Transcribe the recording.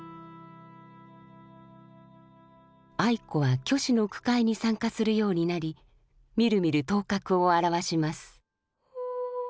愛子は虚子の句会に参加するようになりみるみる頭角を現します。